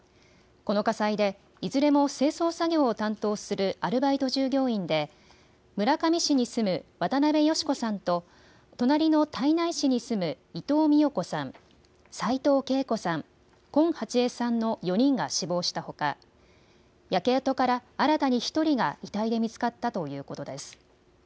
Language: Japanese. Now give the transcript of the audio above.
この火災で、いずれも清掃作業を担当するアルバイト従業員で村上市に住む渡邊芳子さんと、隣の胎内市に住む伊藤美代子さん、齋藤慶子さん、近ハチヱさんの４人が死亡したほか焼け跡から新たに１人が遺体で見つかったということです。